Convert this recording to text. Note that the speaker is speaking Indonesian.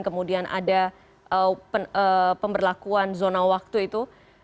kemudian ada pemberlakuan zona waktu itu